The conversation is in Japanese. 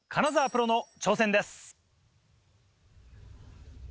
プロの挑戦です。